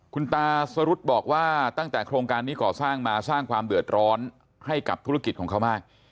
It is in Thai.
คุณตาสรุธบอกว่าตั้งแต่โครงการนี้ก่อสร้างมาสร้างความเดือดร้อนให้กับธุรกิจของเขามาก